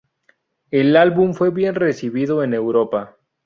El álbum fue bien recibido en Europa.